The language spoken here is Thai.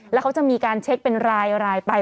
แล้วเขาจะมีการเช็คเป็นรายไป